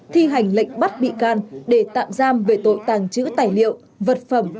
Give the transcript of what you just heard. thi hành lệnh bắt bị can để tạm giam về tội tàng trữ tài liệu vật phẩm